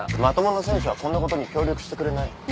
まともな選手はこんなことに協力してくれない。